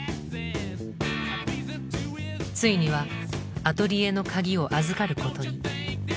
ついにはアトリエの鍵を預かることに。